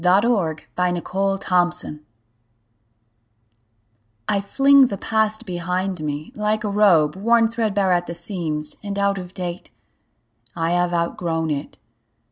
Ella Wheeler Wilcox The Past I FLING the past behind me, like a robe Worn threadbare at the seams, and out of date. I have outgrown it.